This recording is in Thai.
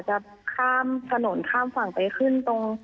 จะข้ามถนนข้ามฝั่งไปขึ้นตรง